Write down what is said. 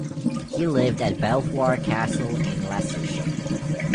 He lived at Belvoir Castle in Leicestershire.